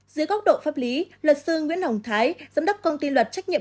dưới góc độ pháp lý luật sư nguyễn hồng thái giám đốc công ty luật trách nhiệm